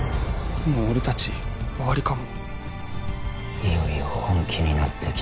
「もう俺たち終わりかも？」